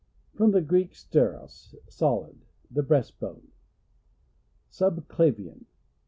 — From the Greek, sterros, solid. The breast bone. Subclavian.